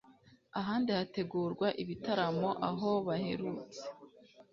ahandi hategurwa ibitaramo aho baherutse